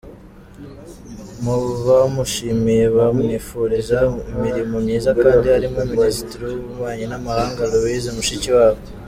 Mu bamushimiye bamwifuriza imirimo myiza kandi harimo Minisitiri w’Ububanyi n’amahanga, Louise Mushikiwabo.